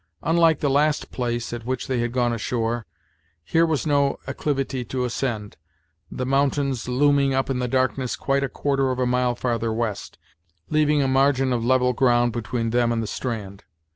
Unlike the last place at which they had gone ashore, here was no acclivity to ascend, the mountains looming up in the darkness quite a quarter of a mile farther west, leaving a margin of level ground between them and the strand.